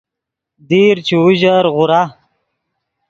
دیر چے اوژر غورا